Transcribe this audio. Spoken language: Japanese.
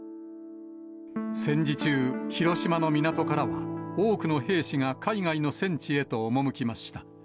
戦時中、広島の港からは、多くの兵士が海外の戦地へと赴きました。